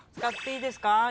使っていいですか？